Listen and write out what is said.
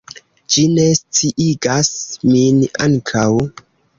Ĝi ne sciigas min ankaŭ!